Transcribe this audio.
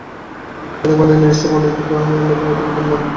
প্রত্যেক প্রাণী নিজস্ব বৈশিষ্ট্যে মণ্ডিত হয়ে অন্য প্রাণী থেকে ভিন্ন।